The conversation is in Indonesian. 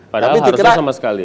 padahal harusnya sama sekali